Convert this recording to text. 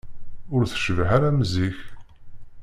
Ur tecbiḥ ara am zik.